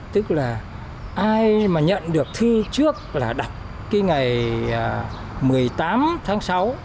tức là ai mà nhận được thư trước là đặt cái ngày một mươi tám tháng sáu